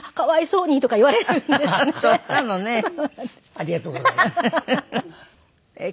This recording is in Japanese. ありがとうございます。